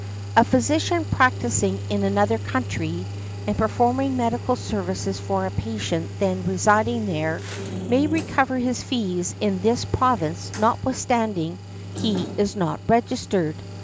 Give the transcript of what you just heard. A physician practising in another country, and performing medical services for a patient then residing there, may recover his fees in this Province notwithstanding he is not |47| registered .